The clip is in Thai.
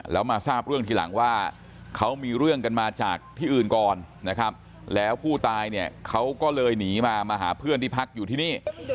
แล้วมาทราบเรื่องทีหลังว่าเขามีเรื่องกันมาจากที่อื่นก่อนนะครับแล้วผู้ตายเนี่ยเขาก็เลยหนีมามาหาเพื่อนที่พักอยู่ที่นี่